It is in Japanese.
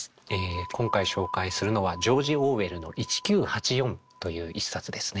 今回紹介するのはジョージ・オーウェルの「１９８４」という一冊ですね。